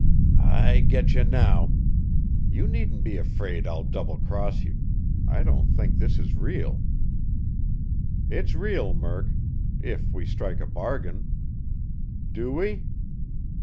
"I getcha now! You needn't be afraid I'll double cross you. I don't think this is real." "It's real, Murk, if we strike a bargain. Do we?"